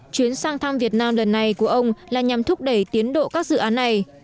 chuyến sang thăm việt nam lần này của ông là nhằm thúc đẩy tiến độ các dự án này